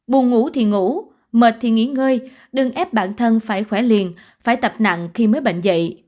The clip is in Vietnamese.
buồn ngủ thì ngủ mệt thì nghỉ ngơi đừng ép bản thân phải khoé liền phải tập nặng khi mới bệnh dạy